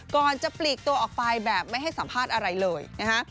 ก่อนจะปลีกตัวออกไปแบบไม่ให้สัมภาษณ์อะไรเลยนะฮะ